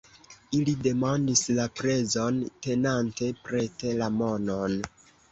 Ili demandis La prezon, tenante prete la monon.